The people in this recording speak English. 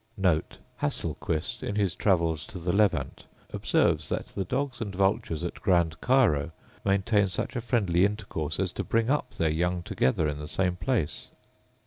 * Hasselquist, in his Travels to the Levant, observes that the dogs and vultures at Grand Cairo maintain such a friendly intercourse as to bring up their young together in the same place.